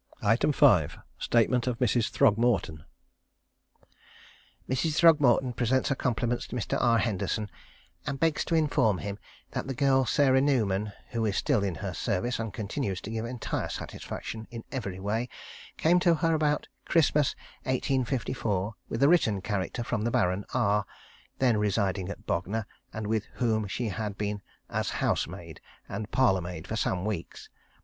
5. Statement of Mrs. Throgmorton. Mrs. Throgmorton presents her compliments to Mr. R. Henderson, and begs to inform him that the girl Sarah Newman, who is still in her service, and continues to give entire satisfaction in every way, came to her about Christmas, 1854, with a written character from the Baron R, then residing at Bognor, and with whom she had been as housemaid and parlourmaid for some weeks.